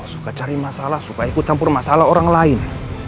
suka cari masalah supaya ikut campur masalah orang lain